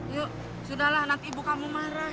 yuk sudahlah nanti ibu kamu marah